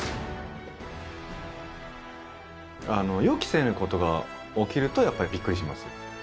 予期せぬことが起きるとやっぱりびっくりします。